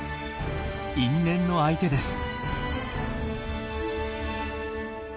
因縁の相手です。